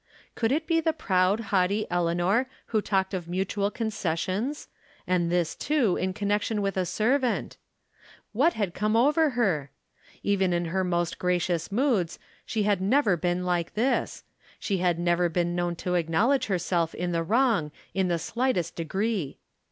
Could it be the proud, haughty Eleanor who talked of mutual concessions, and this, too, in connection with a servant ? What had come From Different Standpoints. 353 over lier ? Even in her most gracious moods she had never been like this ; she had never been known to acknowledge herself in the wrong in the slightest degree.